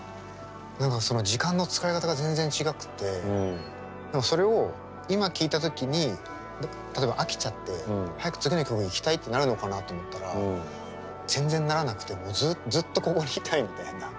何かその時間の使い方が全然違くて何かそれを今聴いた時に例えば飽きちゃって早く次の曲いきたいってなるのかなと思ったら全然ならなくてもうずっとここにいたいみたいな。